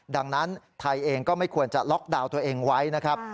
ดังนั้นไทยเองก็ไม่ควรจะล็อกดาวน์ตัวเองไว้นะครับ